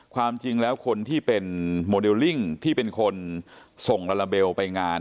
ความจริงแล้วคนที่เป็นโมเดลลิ่งที่เป็นคนส่งลาลาเบลไปงาน